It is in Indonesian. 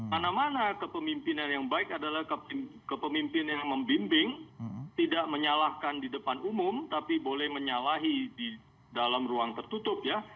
mana mana kepemimpinan yang baik adalah kepemimpinan yang membimbing tidak menyalahkan di depan umum tapi boleh menyalahi di dalam ruang tertutup ya